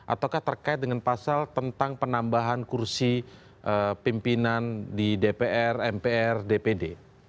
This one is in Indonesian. ataukah terkait dengan pasal tentang penambahan kursi pimpinan di dpr mpr dpd